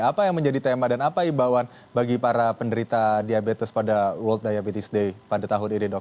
apa yang menjadi tema dan apa imbauan bagi para penderita diabetes pada world diabetes day pada tahun ini dok